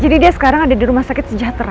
jadi dia sekarang ada di rumah sakit sejahtera